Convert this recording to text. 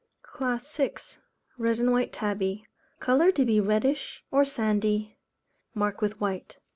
CLASS VI. Red and White Tabby. Colour to be reddish or sandy, marked with white.